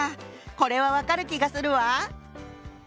これは分かる気がするわ。